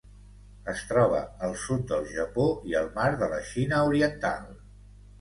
Es troba al sud del Japó i el Mar de la Xina Oriental.